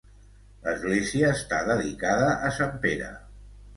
L'església està dedicada a Sant Pere.